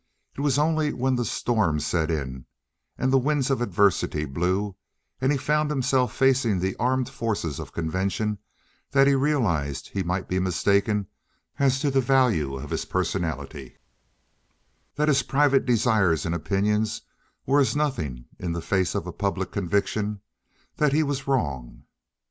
It was only when the storms set in and the winds of adversity blew and he found himself facing the armed forces of convention that he realized he might be mistaken as to the value of his personality, that his private desires and opinions were as nothing in the face of a public conviction; that he was wrong.